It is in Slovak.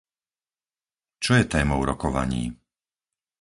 Čo je témou rokovaní?